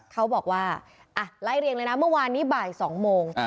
เขาบอกว่าไล่เรียงเลยนะเมื่อวานนี้บ่าย๒โมง